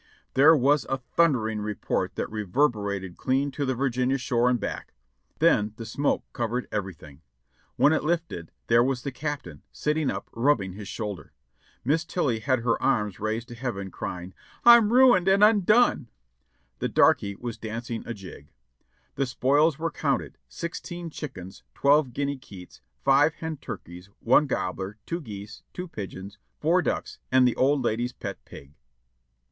There was a thundering report that reverberated clean to the Virginia shore and back, then the smoke covered everything; when it lifted, there was the Captain, sitting 570 JOHNNY RKB AND BIIvLY YANK up, rubbing his shoulder ; Miss Tilly had her arms raised to heaven,, crying, 'I'm ruined and undone!' "The darky was dancing a jig. "The spoils were counted : sixteen chickens, twelve guinea keets. five hen turkeys, one gobbler, two geese, two pigeons, four ducks and the old lady's pet pig."